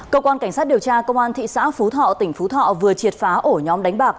cơ quan cảnh sát điều tra công an thị xã phú thọ tỉnh phú thọ vừa triệt phá ổ nhóm đánh bạc